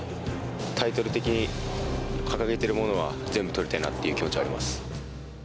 タイトル的に掲げてるものは、全部取りたいなっていう気持ちはあります。